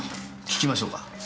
訊きましょうか？